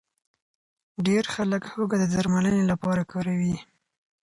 ډېر خلک هوږه د درملنې لپاره کاروي.